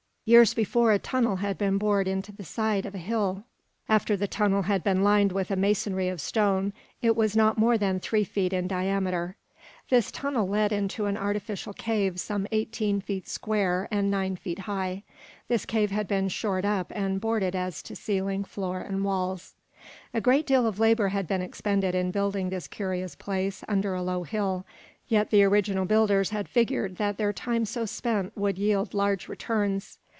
Years before a tunnel had been bored into the side of a hill. After the tunnel had been lined with a masonry of stone it was not more than three feet in diameter. This tunnel led into an artificial cave some eighteen feet square and nine feet high. This cave had been shored up and boarded as to ceiling, floor and walls. A great deal of labor had been expended in building this curious place under a low hill. Yet the original builders had figured that their time so spent would yield large returns.